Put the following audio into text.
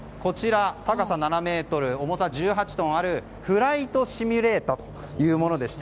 高さ７ｍ、重さ１８トンあるフライトシミュレーターというものです。